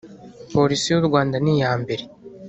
Polisi y u Rwanda niyambere